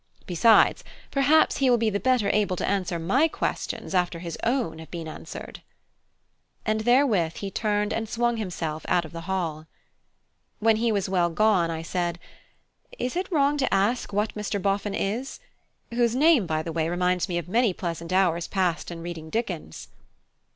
Besides, perhaps he will be the better able to answer my questions after his own have been answered." And therewith he turned and swung himself out of the hall. When he was well gone, I said: "Is it wrong to ask what Mr. Boffin is? whose name, by the way, reminds me of many pleasant hours passed in reading Dickens."